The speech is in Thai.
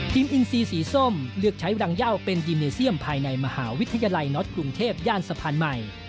ทีมอินซีสีส้มเลือกใช้รังยาวเป็นยีมเนเซียม